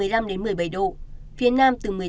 đến một mươi bảy độ phía nam từ một mươi tám